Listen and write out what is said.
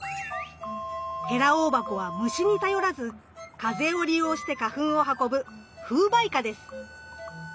ヘラオオバコは虫に頼らず風を利用して花粉を運ぶ「風媒花」です。